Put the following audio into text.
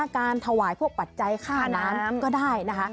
การถวายพวกปัจจัยค่าน้ำก็ได้นะคะ